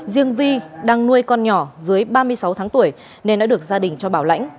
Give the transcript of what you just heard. riêng vi đang nuôi con nhỏ dưới ba mươi sáu tháng tuổi nên đã được gia đình cho bảo lãnh